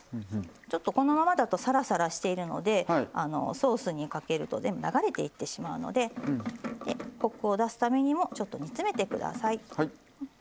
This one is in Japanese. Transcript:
ちょっとこのままだとサラサラしているのでソースにかけると全部流れていってしまうのでコクを出すためにもちょっと煮詰めてください。